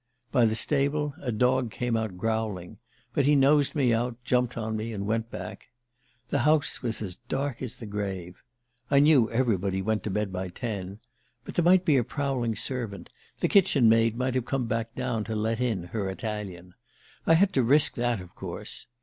... By the stable a dog came out growling but he nosed me out, jumped on me, and went back... The house was as dark as the grave. I knew everybody went to bed by ten. But there might be a prowling servant the kitchen maid might have come down to let in her Italian. I had to risk that, of course.